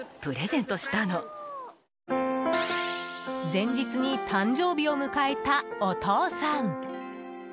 前日に誕生日を迎えたお父さん。